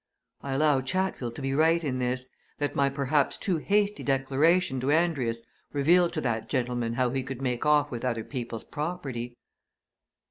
I allow Chatfield to be right in this that my perhaps too hasty declaration to Andrius revealed to that gentleman how he could make off with other people's property."